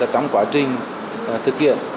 trong quá trình thực hiện